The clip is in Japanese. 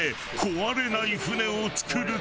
壊れない舟を作る。